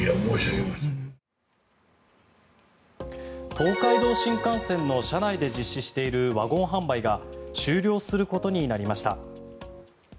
東海道新幹線の車内で実施しているワゴン販売が終了することになりました。